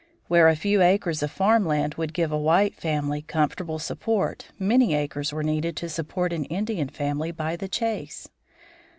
Where a few acres of farm land would give a white family comfortable support, many acres were needed to support an Indian family by the chase.